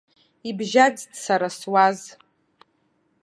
Ибжьаӡт сара суаз.